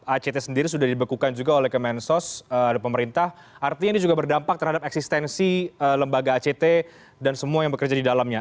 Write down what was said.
act sendiri sudah dibekukan juga oleh kemensos pemerintah artinya ini juga berdampak terhadap eksistensi lembaga act dan semua yang bekerja di dalamnya